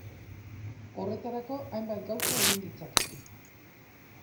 Horretarako hainbat gauza egin ditzake.